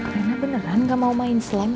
rena beneran gak mau main slime